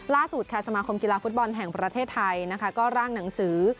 ล่าสุดค่ะสมาคมกีฬาฟุตบอลแห่งประเทศไทยนะคะก็ร่างหนังสือ